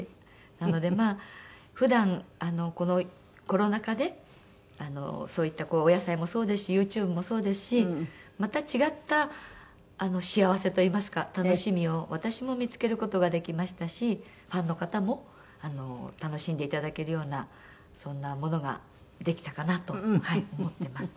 なのでまあ普段このコロナ禍でそういったお野菜もそうですしユーチューブもそうですしまた違った幸せといいますか楽しみを私も見付ける事ができましたしファンの方も楽しんでいただけるようなそんなものができたかなと思ってます。